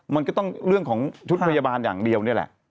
มันก็ต้องเรื่องของชุดพยาบาลอย่างเดียวนี่แหละ